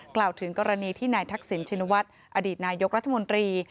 กล่าวถึงกรณีที่นายทักษิณชินวัฒน์อดีตนายกรัฐมนตรี